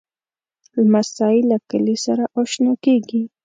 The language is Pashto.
لمسی له کلي سره اشنا کېږي.